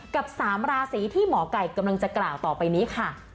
กับ๓ราศีที่หมอไก่กำลังจะกล่าวต่อไปนี้ค่ะ